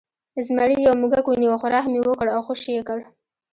زمري یو موږک ونیو خو رحم یې وکړ او خوشې یې کړ.